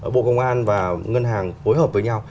bộ công an và ngân hàng hối hợp với nhau